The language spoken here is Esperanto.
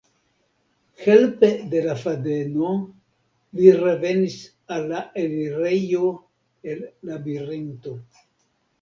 Helpe de la fadeno li revenis al la elirejo el Labirinto.